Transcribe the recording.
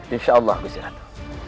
insya allah gusti ratu